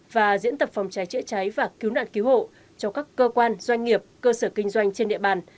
và diễn tập phòng cháy chữa cháy và cứu nạn cứu hộ cho các cơ quan doanh nghiệp cơ sở kinh doanh trên địa bàn